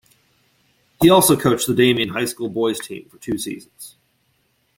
He also coached the Damien High School boys' team for two seasons.